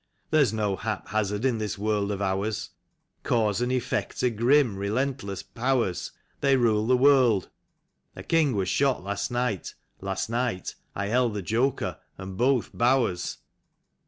There's no hap hazard in this world of ours. Cause and effect are grim, relentless powers. They rule the world. (A king was shot last night. Last night I held the joker and both bowers.)